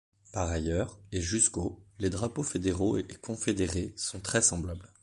Par ailleurs, et jusqu'au les drapeaux fédéraux et confédérés sont très semblables.